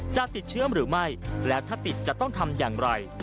จะติดเชื้อหรือไม่แล้วถ้าติดจะต้องทำอย่างไร